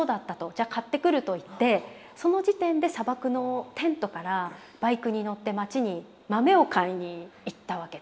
「じゃ買ってくる」と言ってその時点で砂漠のテントからバイクに乗って町に豆を買いに行ったわけです。